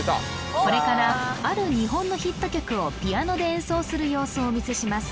これからある日本のヒット曲をピアノで演奏する様子をお見せします